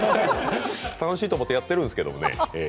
楽しいと思ってやってるんですけどもね。